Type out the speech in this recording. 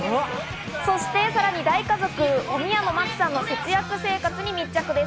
そしてさらに大家族・お宮の松さんの節約生活に密着です。